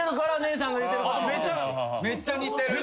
めっちゃ似てる。